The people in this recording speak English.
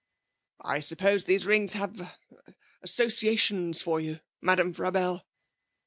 'I suppose these rings have er associations for you, Madame Frabelle?'